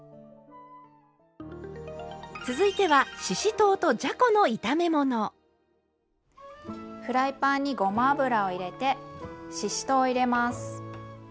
続いてはフライパンにごま油を入れてししとうを入れます。